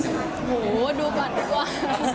อเรนนี่โหดูก่อนดีกว่า